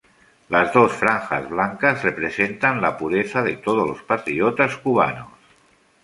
Las dos franjas blancas representan la pureza de todos los patriotas cubanos.